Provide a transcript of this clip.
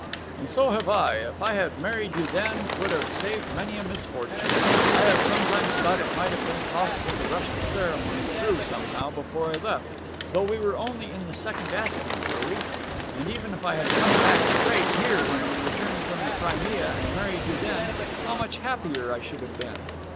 'And so have I! If I had married you then 'twould have saved many a misfortune. I have sometimes thought it might have been possible to rush the ceremony through somehow before I left; though we were only in the second asking, were we? And even if I had come back straight here when we returned from the Crimea, and married you then, how much happier I should have been!'